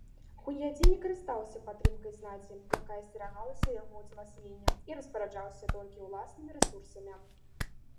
Хуньядзі не карыстаўся падтрымкай знаці, якая асцерагалася яго ўзмацнення, і распараджаўся толькі ўласнымі рэсурсамі.